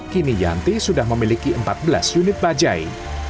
kini yanti sudah memiliki empat belas unit bajai